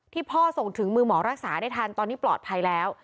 พ่อส่งถึงมือหมอรักษาได้ทันตอนนี้ปลอดภัยแล้ว